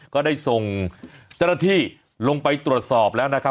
ก็ได้ส่งเจ้าหน้าที่ลงไปตรวจสอบแล้วนะครับ